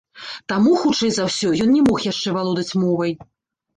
Таму, хутчэй за ўсё, ён не мог яшчэ валодаць мовай.